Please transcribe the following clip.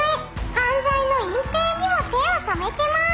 「犯罪の隠蔽にも手を染めてまーす」